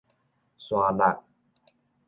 沙轆